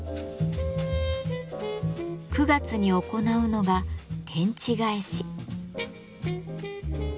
９月に行うのが「天地返し」。